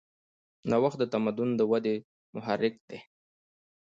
نوښت د تمدن د ودې محرک دی.